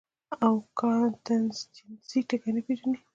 او کانټنجنسي ټکے نۀ پېژني -